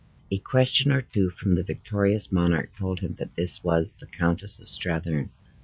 A question or two from the victorious monarch told him that this was the Countess of Strathearn.